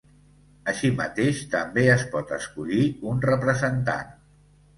Així mateix, també es pot escollir un representant.